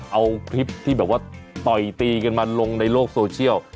เอาคลิปที่แบบว่าต่อยตีกันมาลงในโลกโซเชียล